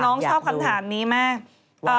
อยากดูน้องขอคำถามนี้มาก